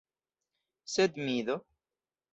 Sed mi do?